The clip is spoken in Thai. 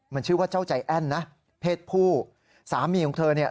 มันชื่อว่าเจ้าใจแอ้นนะเพศผู้สามีของเธอเนี่ย